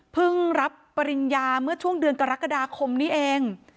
รับปริญญาเมื่อช่วงเดือนกรกฎาคมนี้เอง